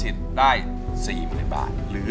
อันดับนี้เป็นแบบนี้